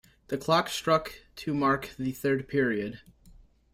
The clock struck to mark the third period.